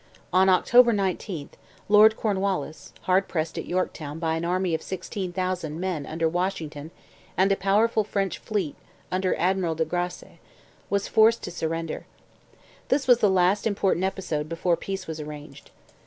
On October 19 Lord Cornwallis, hard pressed at Yorktown by an army of sixteen thousand men under Washington and a powerful French fleet under Admiral de Grasse, was forced to surrender. This was the last important episode before peace was arranged.